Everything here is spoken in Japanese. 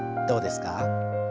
どうですか？